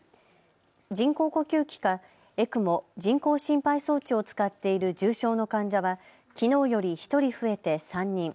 人工呼吸器かＥＣＭＯ・人工心肺装置を使っている重症の患者はきのうより１人増えて３人。